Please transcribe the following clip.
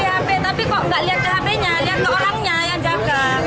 dia mau beli hp tapi kok gak lihat ke hp nya lihat ke orangnya yang jaga